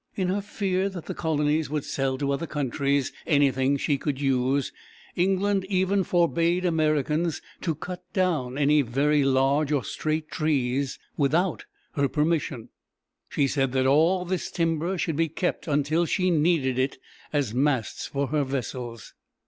In her fear that the colonies would sell to other countries anything she could use, England even forbade Americans to cut down any very large or straight trees without her permission. She said that all this timber should be kept until she needed it as masts for her vessels.